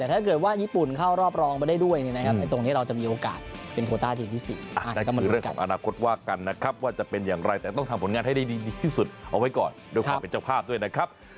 ที่สุดเอาไว้ก่อนโดยความเป็นจักรภาพด้วยนะครับ